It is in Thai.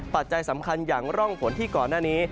ปัจจัยสำคัญอย่างร่องฝนที่ก่อนหน้านี้